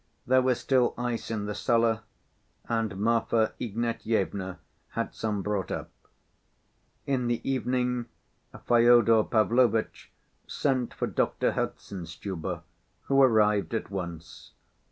There was still ice in the cellar, and Marfa Ignatyevna had some brought up. In the evening, Fyodor Pavlovitch sent for Doctor Herzenstube, who arrived at once.